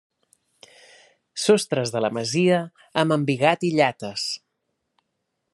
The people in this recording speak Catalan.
Sostres de la masia amb embigat i llates.